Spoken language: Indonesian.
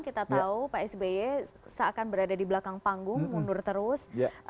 kita tahu pak sby seakan berada di belakang panggung mundur terus